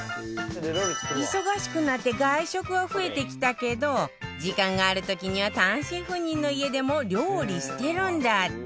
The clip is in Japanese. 忙しくなって外食は増えてきたけど時間がある時には単身赴任の家でも料理してるんだって